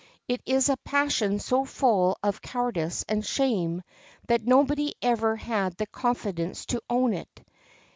It is a passion so full of cowardice and shame that nobody ever had the confidence to own it.